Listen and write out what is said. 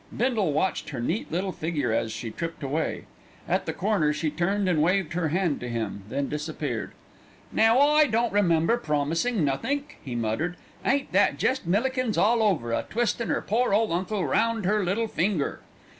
Bindle watched her neat little figure as she tripped away. At the corner she turned and waved her hand to him, then disappeared. "Now I don't remember promisin' nothink," he muttered. "Ain't that jest Millikins all over, a twistin' 'er pore ole uncle round 'er little finger.